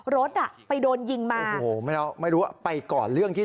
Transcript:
รถอ่ะไปโดนยิงมาโอ้โหไม่รู้ว่าไปก่อเรื่องที่ไหน